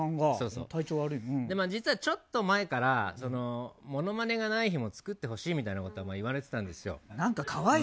実はちょっと前からモノマネがない日も作ってほしいって言われてたんですよ。